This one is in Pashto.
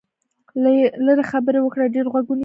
لږې خبرې وکړه، ډېر غوږ ونیسه